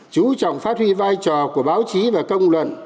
chú trọng phát huy vai trò của báo chí và công luận